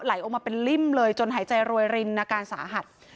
ไหลออกมาเป็นริ่มเลยจนหายใจรวยรินอาการสาหัส